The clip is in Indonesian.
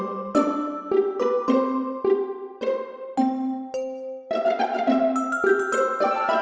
jangan lupa like